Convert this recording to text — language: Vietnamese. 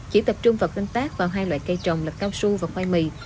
chỉ tập trung vào canh tác vào hai loại cây trồng là cao su và khoai mì